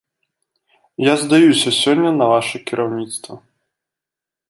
Я здаюся сёння на ваша кіраўніцтва.